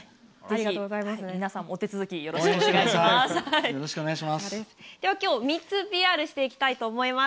皆さんもお手続きよろしくお願いします。